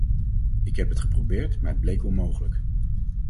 Ik heb het geprobeerd, maar het bleek onmogelijk.